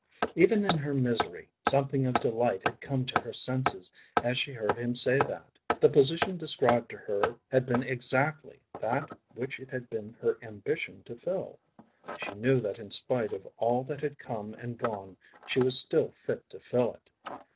Even in her misery, something of delight had come to her senses as she heard him say that. The position described to her had been exactly that which it had been her ambition to fill. She knew that in spite of all that had come and gone she was still fit to fill it.